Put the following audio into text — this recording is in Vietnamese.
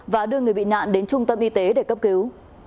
và đưa người bị nạn đến trung tâm y tế để cấp cứu